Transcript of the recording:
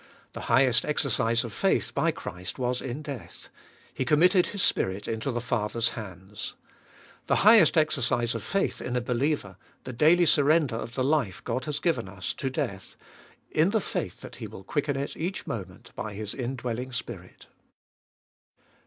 The highest exercise of faith by Christ was in death— He committed His Spirit into the Father's hands. The highest exercise of faith in a believer— the daily surrender of the life God has giuen us to death, in the faith that He will quicken it each moment by His indwelling Spirit.